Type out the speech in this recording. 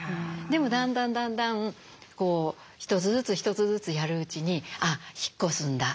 でもだんだんだんだん一つずつ一つずつやるうちに「あっ引っ越すんだ。